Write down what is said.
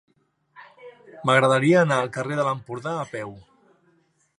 M'agradaria anar al carrer de l'Empordà a peu.